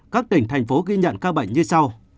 các tỉnh thành phố ghi nhận ca bệnh như sau